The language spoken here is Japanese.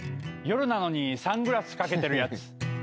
夜なのにサングラス掛けてるやつ。